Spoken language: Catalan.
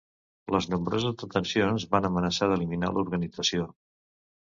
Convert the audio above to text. Les nombroses detencions van amenaçar d'eliminar l'organització.